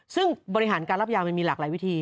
ซึ่งบริหารการรับยามันมีหลากหลายวิธี